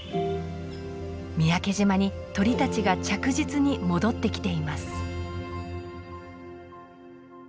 三宅島に鳥たちが着実に戻ってきています。